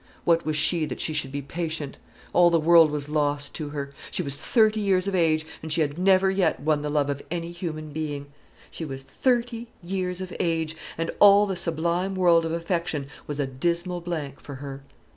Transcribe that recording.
What was she that she should be patient? All the world was lost to her. She was thirty years of age, and she had never yet won the love of any human being. She was thirty years of age, and all the sublime world of affection was a dismal blank for her.